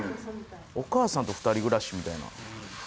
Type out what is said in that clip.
お母さんと２人暮らしみたいな。